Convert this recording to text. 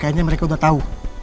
kayaknya mereka udah tau